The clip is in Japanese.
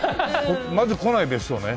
まず来ない別荘ね。